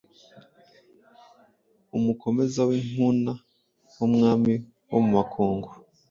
Umukomeza w’inkuna Wa Mwami wo mu makungu,